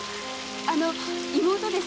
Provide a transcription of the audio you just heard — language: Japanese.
あの妹です。